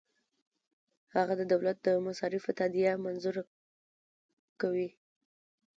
هغه د دولت د مصارفو تادیه منظوره کوي.